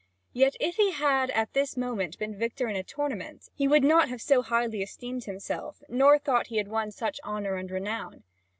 Yet, if he had at this moment been victor in a tournament, he would not have so highly esteemed himself, nor thought he had won such honour and renown.